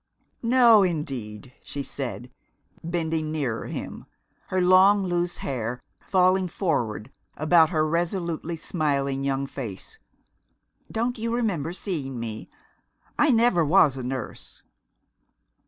"No, indeed," she said, bending nearer him, her long loose hair falling forward about her resolutely smiling young face. "Don't you remember seeing me? I never was a nurse."